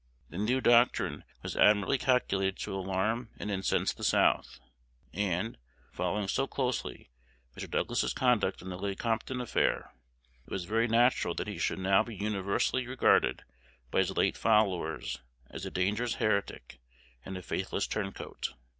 The new doctrine was admirably calculated to alarm and incense the South; and, following so closely Mr. Douglas's conduct in the Lecompton affair, it was very natural that he should now be universally regarded by his late followers as a dangerous heretic and a faithless turncoat.